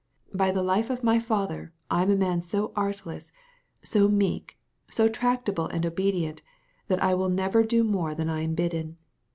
By the life of my father, I am a man so artless, so meek, so tractable and obedient, that I will never do more than I am bidden.